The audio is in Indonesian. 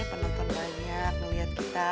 penonton banyak melihat kita